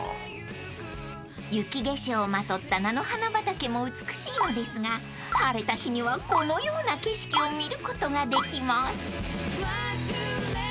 ［雪化粧をまとった菜の花畑も美しいのですが晴れた日にはこのような景色を見ることができます］